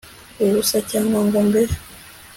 ubusa cyangwa ngo mbe